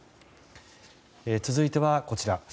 続いては、こちら。